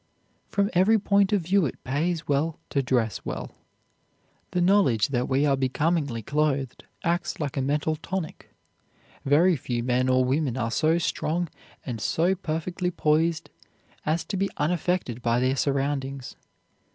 From every point of view it pays well to dress well. The knowledge that we are becomingly clothed acts like a mental tonic. Very few men or women are so strong and so perfectly poised as to be unaffected by their surroundings.